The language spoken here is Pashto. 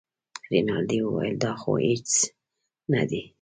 رینالډي وویل دا خو هېڅ نه دي.